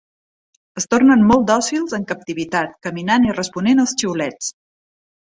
Es tornen molt dòcils en captivitat, caminant i responent als xiulets.